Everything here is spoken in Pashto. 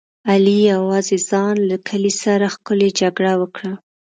علي یوازې ځان له کلي سره ښکلې جګړه وکړه.